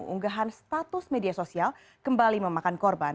unggahan status media sosial kembali memakan korban